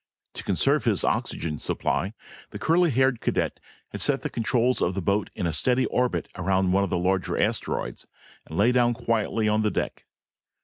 To conserve his oxygen supply, the curly haired cadet had set the controls of his boat on a steady orbit around one of the larger asteroids and lay down quietly on the deck.